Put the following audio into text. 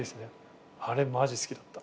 あれマジ好きだった。